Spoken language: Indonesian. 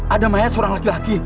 ada mayat seorang laki laki